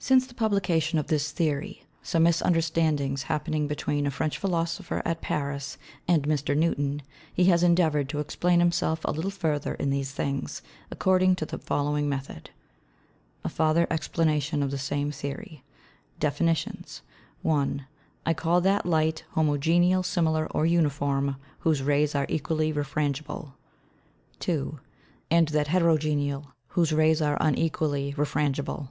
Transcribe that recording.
_Since the Publication of this Theory, some Misunderstandings happening between a French Philosopher at Paris and Mr. Newton, he has endeavour'd to explain himself a little further in these Things, according to the following Method._ DEFINITIONS. 1. I call that Light Homogeneal, Similar, or Uniform, whose Rays are equally refrangible. 2. And that Heterogeneal, whose Rays are unequally refrangible.